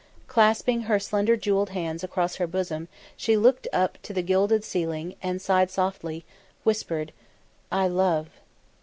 Clasping her slender jewelled hands, across her bosom, she looked up to the gilded ceiling, and sighing softly, whispered: "I love!"